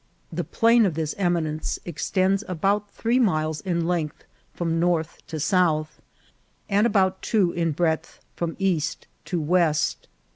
The plane of this eminence extends about three miles in length from north to south, and about two in breadth from east to west.